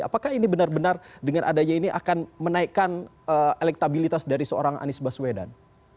apakah ini benar benar dengan adanya ini akan menaikkan elektabilitas dari seorang anies baswedan